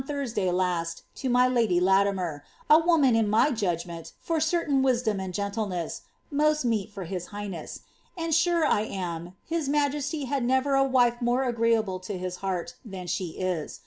y^ Tonraday luai to my lady Latimer, a woman in my judgment, for certain viMom and gentleness, most meet for his highness ; and sure I am, his ^■ T^^y ^*^ never a wife more agreeable to his heart than slic is.